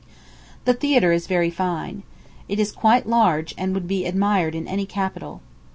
The Theatre is very fine. It is quite large, and would be admired in any capital.